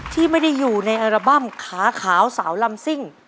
ที่ไม่ได้อยู่ในอัลบั้มขาขาวสาวลำซิ่ง